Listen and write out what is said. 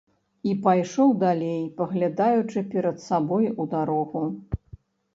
І пайшоў далей, паглядаючы перад сабой у дарогу.